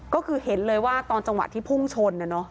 ก็คือเห็นเลยว่าตอนจังหวัดที่ฟุ่งชนเนี่ยเนาะ